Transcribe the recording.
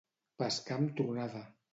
Pescar amb tronada.